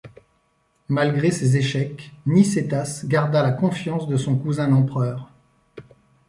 Malgré ces échecs Nicétas garda la confiance de son cousin l'empereur.